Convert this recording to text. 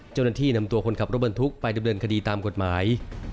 เจ้าหน้าที่นำตัวคนขับรถบรรทุกไปดำเนินคดีตามกฎหมาย